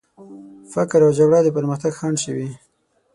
فقر او جګړه د پرمختګ خنډ شوي.